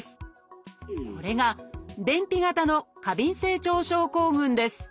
これが便秘型の過敏性腸症候群です